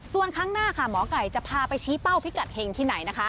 ส่วนครั้งหน้าค่ะหมอไก่จะพาไปชี้เป้าพิกัดเห็งที่ไหนนะคะ